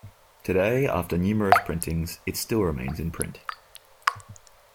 Today after numerous printings it still remains in print.